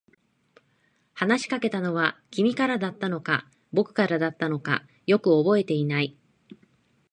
話しかけたのは君からだったのか、僕からだったのか、よく覚えていない。